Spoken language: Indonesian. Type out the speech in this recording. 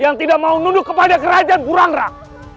yang tidak mau nunduk kepada kerajaan burangrak